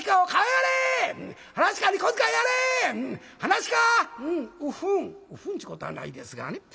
「うふん」ちゅうことはないですがね。